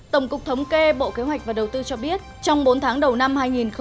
tổng cục thống kê bộ kế hoạch và đầu tư cho biết trong bốn tháng đầu năm hai nghìn một mươi chín